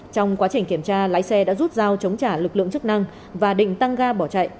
trong quá trình kiểm tra lái xe đã rút dao chống trả lực lượng chức năng và định tăng ga bỏ chạy